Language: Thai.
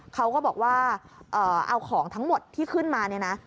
เขาก็บอกว่าเอาของทั้งหมดที่ขึ้นมา